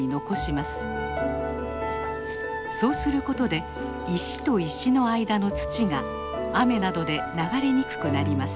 そうすることで石と石の間の土が雨などで流れにくくなります。